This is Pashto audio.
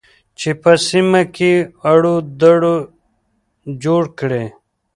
چې په سیمه کې اړو دوړ جوړ کړي